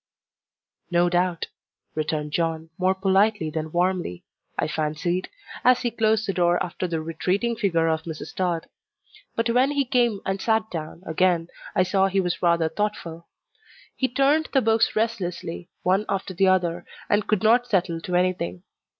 "No doubt," returned John, more politely than warmly, I fancied, as he closed the door after the retreating figure of Mrs. Tod. But when he came and sat down again I saw he was rather thoughtful. He turned the books restlessly, one after the other, and could not settle to anything.